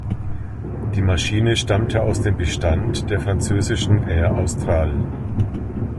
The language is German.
Die Maschine stammte aus dem Bestand der französischen Air Austral.